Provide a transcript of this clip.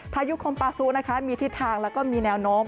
พายุคมปาซูนะคะมีทิศทางแล้วก็มีแนวโน้ม